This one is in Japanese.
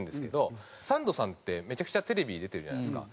サンドさんってめちゃくちゃテレビ出てるじゃないですか。